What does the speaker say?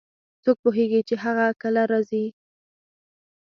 څوک پوهیږي چې هغه کله راځي